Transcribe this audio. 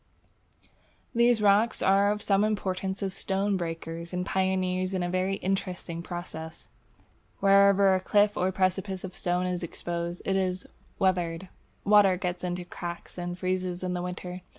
These rock plants are of some importance as stonebreakers and pioneers in a very interesting process. Wherever a cliff or precipice of stone is exposed, it is "weathered." Water gets into the cracks and freezes in winter.